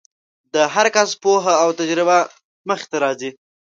د هر کس پوهه او تجربه مخې ته راځي.